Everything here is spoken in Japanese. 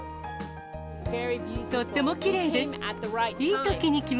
とってもきれいです。